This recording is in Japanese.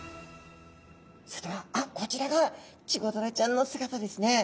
それではあっこちらがチゴダラちゃんの姿ですね。